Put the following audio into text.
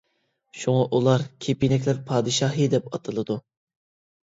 شۇڭا ئۇلار «كېپىنەكلەر پادىشاھى» دەپ ئاتىلىدۇ.